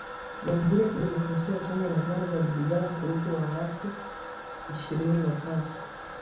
Jamhuri ya Kidemokrasia ya Kongo na Rwanda zajibizana kuhusu waasi ishirini na tatu